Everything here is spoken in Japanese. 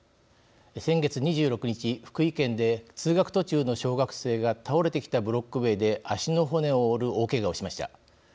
先月２６日、福井県で通学途中の小学生が倒れてきたブロック塀で足の骨を折る大けがをしました。